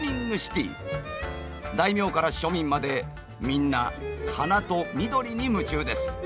大名から庶民までみんな花と緑に夢中です。